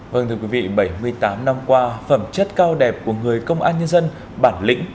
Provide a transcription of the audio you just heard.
vâng thưa quý vị bảy mươi tám năm qua phẩm chất cao đẹp của người công an nhân dân bản lĩnh